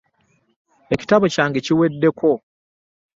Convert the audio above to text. Ekitabo kyange kiweddeko.